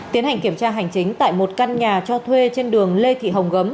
tiến hành kiểm tra hành chính tại một căn nhà cho thuê trên đường lê thị hồng gấm